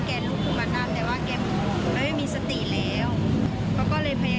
เค้าเลยถามเค้าเลยตอบว่าย่างเค้านั่นแหละ